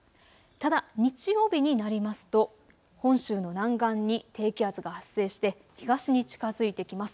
ただ、日曜日になりますと本州の南岸に低気圧が発生して東に近づいてきます。